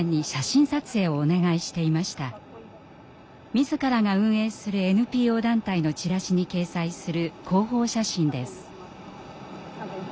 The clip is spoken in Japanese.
自らが運営するＮＰＯ団体のチラシに掲載する広報写真です。